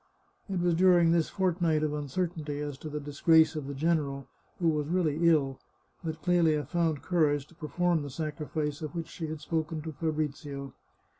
It was during this fortnight of uncertainty as to the dis grace of the general, who was really ill, that Clelia found courage to perform the sacrifice of which she had spoken to Fabrizio.